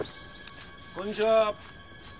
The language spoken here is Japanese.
こんにちは。